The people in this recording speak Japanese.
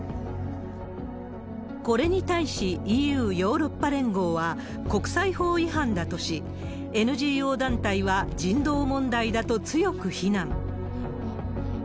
これに対し、ＥＵ・ヨーロッパ連合は、国際法違反だとし、ＮＧＯ団体は人道問題だと強く非難。